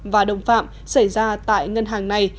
và đồng phạm xảy ra tại ngân hàng này